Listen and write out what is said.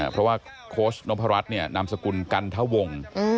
เพราะว่าโค้ชนพรัชเนี่ยนามสกุลกันทะวง